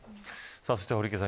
そして、堀池さん